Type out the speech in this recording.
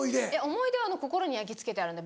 思い出は心に焼きつけてあるんで。